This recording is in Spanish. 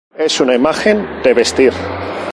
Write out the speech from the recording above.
Es una imagen de vestir.